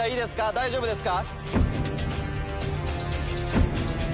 大丈夫ですか？